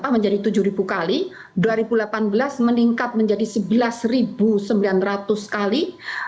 dua ribu delapan belas meningkat menjadi sebelas sembilan ratus kali